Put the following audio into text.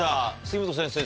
杉本先生